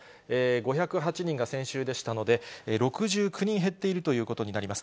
５０８人が先週でしたので、６９人減っているということになります。